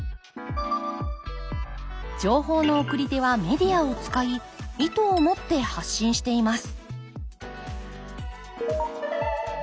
情報の送り手はメディアを使い意図を持って発信しています